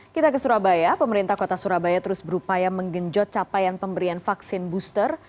kita ke surabaya pemerintah kota surabaya terus berupaya menggenjot capaian pemberian vaksin booster